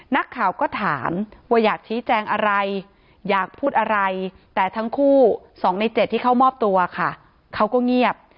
นักข่าวก็ถามว่าอยากชี้แจงอะไรอยากพูดอะไรแต่ทั้งคู่๒ใน๗ที่เข้ามอบตัวค่ะเขาก็เงียบ